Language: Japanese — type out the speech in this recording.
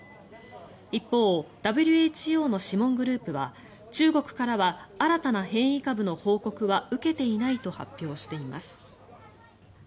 一方、ＷＨＯの諮問グループは中国からは新たな変異株の報告は受けていないと発表しています。